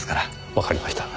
わかりました。